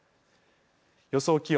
予想気温。